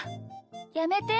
やめて。